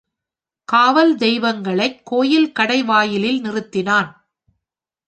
காவல் தெய்வங்களைக் கோயில் கடைவாயிலில் நிறுத்தினான்.